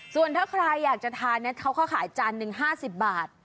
ส่วนถ้าใครอยากจะทานเขาก็ขายจานหนึ่ง๕๐บาท